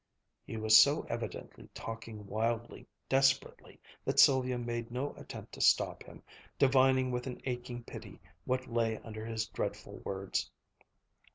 He was so evidently talking wildly, desperately, that Sylvia made no attempt to stop him, divining with an aching pity what lay under his dreadful words.